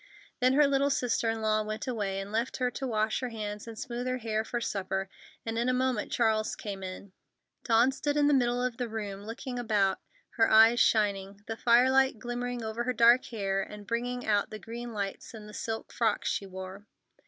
Then her little sister in law went away and left her to wash her hands and smooth her hair for supper, and in a moment Charles came in. Dawn stood in the middle of the room, looking about, her eyes shining, the firelight glimmering over her dark hair and bringing out the green lights in the silk frock she wore.